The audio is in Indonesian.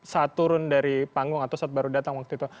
saat turun dari panggung atau saat baru datang waktu itu